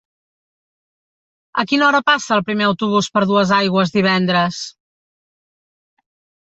A quina hora passa el primer autobús per Duesaigües divendres?